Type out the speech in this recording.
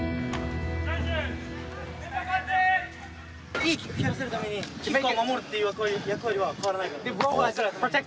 いいキック蹴らせるためにキッカーを守るっていう役割は変わらないから。